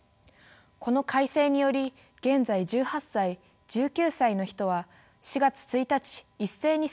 この改正により現在１８歳１９歳の人は４月１日一斉に成人になりました。